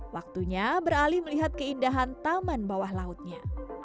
waktunya beralih melihat keindahan taman bawah lautnya